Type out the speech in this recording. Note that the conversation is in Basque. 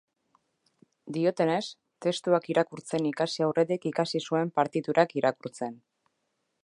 Diotenez, testuak irakurtzen ikasi aurretik ikasi zuen partiturak irakurtzen.